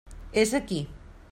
És aquí.